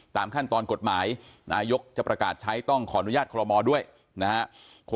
ตามขั้นตอนกฎหมายนายกจะประกาศใช้ต้องขออนุญาตคอลโมด้วยนะครับ